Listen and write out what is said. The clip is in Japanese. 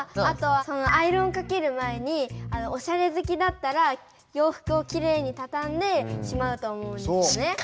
あとアイロンをかける前にオシャレ好きだったら洋服をきれいにたたんでしまうと思うんですね。